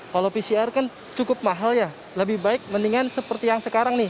kalau pcr kan cukup mahal ya lebih baik mendingan seperti yang sekarang nih